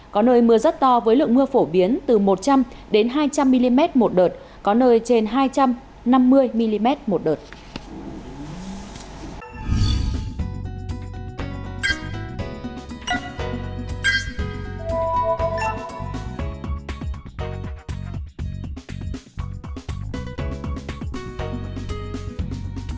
có nơi mưa rất to với lượng mưa phổ biến từ một trăm linh hai trăm linh mm một đợt có nơi trên hai trăm năm mươi mm một đợt